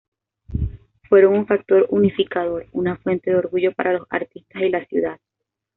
Fueron un factor unificador, una fuente de orgullo para los artistas y la ciudad.